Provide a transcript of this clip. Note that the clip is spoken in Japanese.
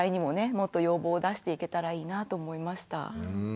もっと要望を出していけたらいいなと思いました。